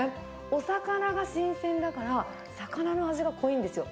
お魚が新鮮だから、魚の味が濃いんですよ。